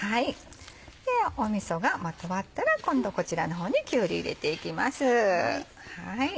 でみそがまとわったら今度こちらの方にきゅうり入れていきます。